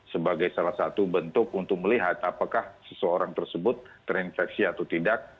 sebagai salah satu bentuk untuk melihat apakah seseorang tersebut terinfeksi atau tidak